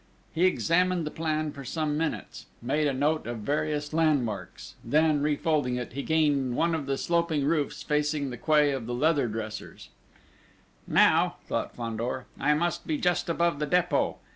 He examined the plan for some minutes; made a note of various landmarks; then refolding it, he gained one of the sloping roofs facing the quay of the Leather Dressers: "Now," thought Fandor, "I must be just above the Dépôt!